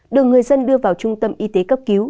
được người dân đưa vào trung tâm y tế cấp cứu